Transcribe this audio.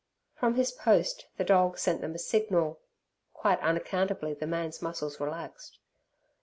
From his post the dog sent them a signal. Quite unaccountably the man's muscles relaxed.